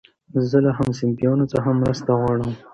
زه له همصنفيانو څخه مرسته غواړم.